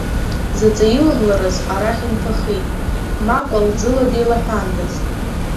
Заҵа иламларыз, арахь инԥахит, ма кәалӡыла деилаҳәандаз.